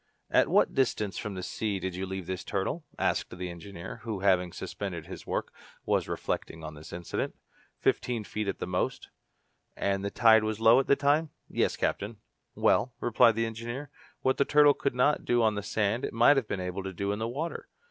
"At what distance from the sea did you leave this turtle?" asked the engineer, who, having suspended his work, was reflecting on this incident. "Fifteen feet at the most," replied Herbert. "And the tide was low at the time?" "Yes, captain." "Well," replied the engineer, "what the turtle could not do on the sand it might have been able to do in the water.